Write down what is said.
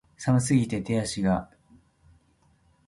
寒すぎて手足が悴んでいる